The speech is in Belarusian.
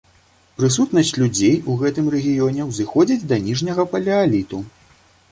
Прысутнасць людзей у гэтым рэгіёне ўзыходзіць да ніжняга палеаліту.